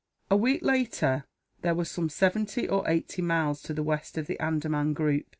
A week later, they were some seventy or eighty miles to the west of the Andaman group.